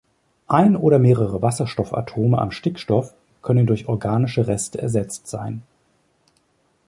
Ein oder mehrere Wasserstoffatome am Stickstoff können durch organische Reste ersetzt sein.